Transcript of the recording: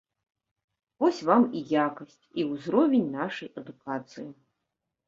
Вось вам і якасць, і ўзровень нашай адукацыі.